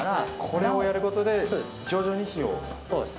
これをやることで徐々に火を。